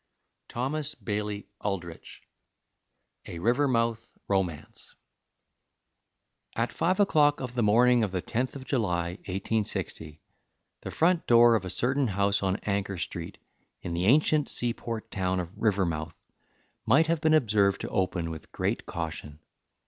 THOMAS BAILEY ALDRICH A RIVERMOUTH ROMANCE At five o'clock of the morning of the tenth of July, 1860, the front door of a certain house on Anchor Street, in the ancient seaport town of Rivermouth, might have been observed to open with great caution.